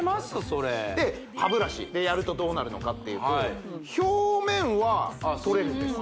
それ歯ブラシでやるとどうなるのかっていうと表面は取れるんです